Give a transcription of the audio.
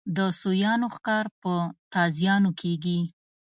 د سویانو ښکار په تازیانو کېږي.